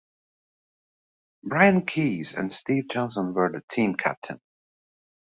Bryan Keys and Steve Johnson were the team captains.